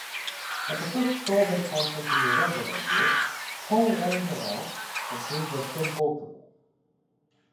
At the First Solvay Conference in November that year, Paul Langevin obtained a submultiple.